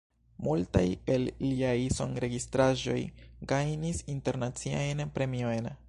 Multaj el liaj sonregistraĵoj gajnis internaciajn premiojn.